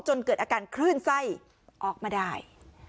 จนเกิดอาการคลื่นไส้ออกมาได้